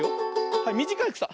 はいみじかいくさ。